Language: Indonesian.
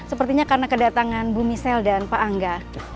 sepertinya karena kedatangan bumi sel dan pak angga